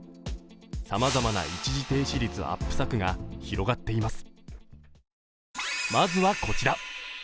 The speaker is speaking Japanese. さまざまな一時停止率アップ策が広がっています。